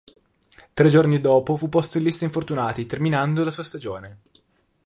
Tre giorni dopo fu posto in lista infortunati terminando la sua stagione.